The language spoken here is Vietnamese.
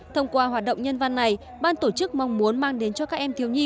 thông qua hoạt động nhân văn này ban tổ chức mong muốn mang đến cho các em thiếu nhi